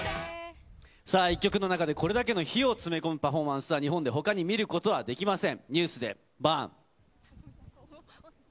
さあ、１曲の中でこれだけの火を詰め込むパフォーマンスは、日本でほかに見ることはできません。